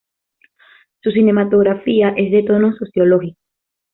Su cinematografía es de tono sociológico.